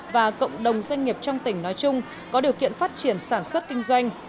và cộng đồng doanh nghiệp trong tỉnh nói chung có điều kiện phát triển sản xuất kinh doanh